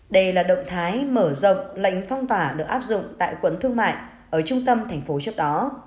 đây là động thái mở rộng lệnh phong tỏa được áp dụng tại quận thương mại ở trung tâm thành phố trước đó